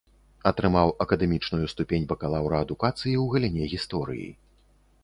Атрымаў акадэмічную ступень бакалаўра адукацыі ў галіне гісторыі.